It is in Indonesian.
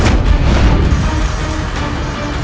silawahi kamu mengunuh keluarga ku di pesta perjamuan